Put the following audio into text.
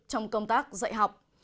trong công tác dạy học